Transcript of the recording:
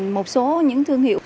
một số những thương hiệu